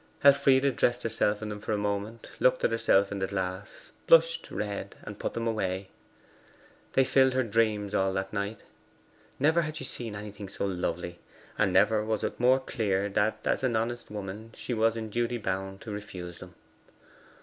Elfride dressed herself in them for a moment, looked at herself in the glass, blushed red, and put them away. They filled her dreams all that night. Never had she seen anything so lovely, and never was it more clear that as an honest woman she was in duty bound to refuse them.